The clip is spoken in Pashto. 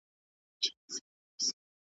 ¬ چاړه که د سرو ده، هسي نه چي د ځيگر د منډو ده.